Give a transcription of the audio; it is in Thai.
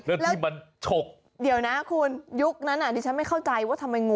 แล้วที่มันชกเดี๋ยวนะคุณยุคนั้นอ่ะที่ฉันไม่เข้าใจว่าทำไมงูอ่ะ